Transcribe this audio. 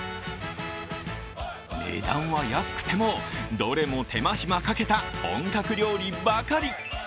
値段は安くても、どれも手間暇かけた本格料理ばかり。